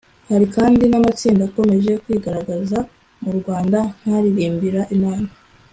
Hari kandi n'amatsinda akomeje kwigaragaza mu Rwanda nk'aririmbira Imana